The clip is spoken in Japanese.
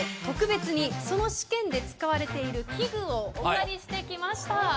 特別にその試験で使われている器具をお借りして来ました。